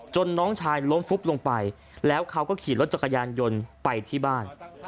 น้องชายล้มฟุบลงไปแล้วเขาก็ขี่รถจักรยานยนต์ไปที่บ้าน